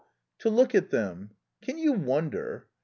"To look at them. Can you wonder?